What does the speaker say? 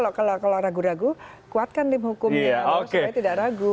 kalau ragu ragu kuatkan tim hukumnya supaya tidak ragu